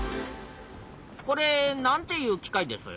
これなんていう機械です？